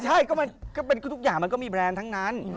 ใช่ทุกอย่างมันก็มีแบรนด์ทั้งนั้น